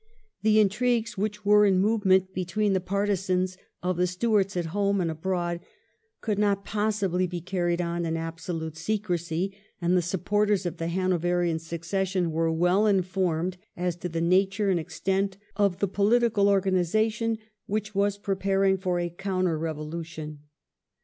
The intrigues which were in movement between the partisans of the Stuarts at home and abroad could not possibly be carried on in absolute secrecy, and the supporters of the Hanoverian succession were well informed as to the nature and extent of the political organisation which was preparing for a counter revolution.